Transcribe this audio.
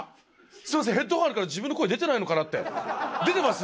すみません、ヘッドホンあるから自分の声出てないのかなって。出てます？